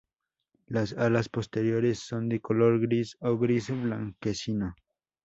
Las alas posteriores son de color gris o gris blanquecino.